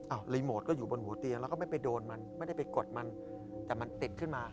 รีโมทก็อยู่บนหัวเตียงแล้วก็ไม่ไปโดนมันไม่ได้ไปกดมันแต่มันติดขึ้นมา